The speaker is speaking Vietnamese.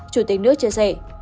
chủ tịch nước chia sẻ